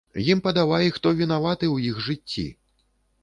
Ім падавай, хто вінаваты ў іх жыцці.